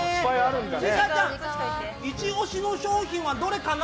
イチ押しの商品はどれかな？